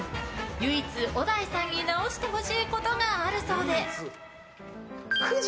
唯一、小田井さんに直してほしいことがあるそうで。